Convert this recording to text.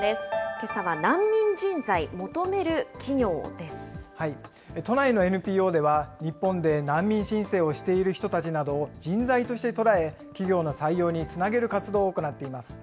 けさは、都内のＮＰＯでは、日本で難民申請をしている人たちなどを人材としてとらえ、企業の採用につなげる活動を行っています。